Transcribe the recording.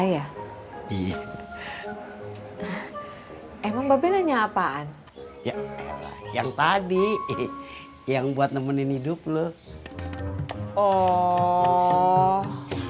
iya emang mbak ben nanya apaan yang tadi yang buat nemenin hidup lu oh